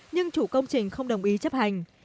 nhưng chủ công trình không đồng ý chấp hành